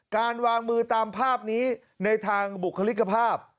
การวางมือตามภาพนี้ในทางบุคลิกภาพ